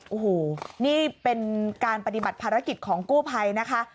โอ้โหนี่เป็นการปฏิบัติภารกิจของกู้ภัยนะคะ